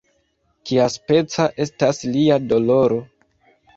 Kiaspeca estas lia doloro?